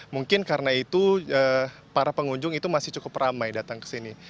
mungkin karena itu para pengunjung itu masih cukup ramai datang ke sini